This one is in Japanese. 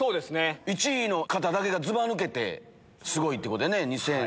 １位の方だけがずばぬけてすごいってことやね。